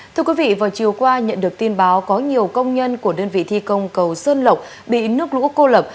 thưa quý vị vào chiều qua nhận được tin báo có nhiều công nhân của đơn vị thi công cầu sơn lộc bị nước lũ cô lập